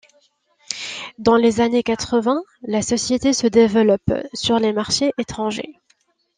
Dans les années quatre-vingt, la société se développe sur les marchés étrangers.